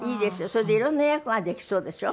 それでいろんな役ができそうでしょ？